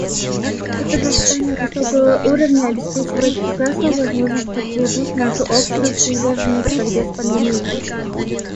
Это заседание высокого уровня обеспечивает прекрасную возможность подтвердить нашу общую приверженность борьбе с пандемией.